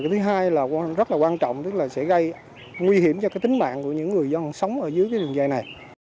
thứ hai là rất là quan trọng tức là sẽ gây nguy hiểm cho tính mạng của những người dân sống ở dưới đường dài này